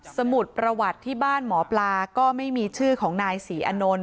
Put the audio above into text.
สมุดประวัติที่บ้านหมอปลาก็ไม่มีชื่อของนายศรีอนนท์